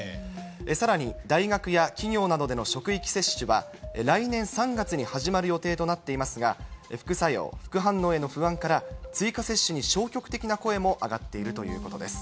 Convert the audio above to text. さらに大学や企業などでの職域接種は、来年３月に始まる予定となっていますが、副作用、副反応の不安から、追加接種に消極的な声も上がっているということです。